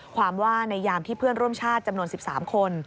ความว่าในยามที่เพื่อนร่วมชาติจำนวน๑๓คน